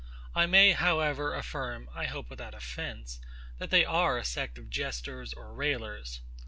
I may, however, affirm (I hope without offence), that they are a sect of jesters or raillers.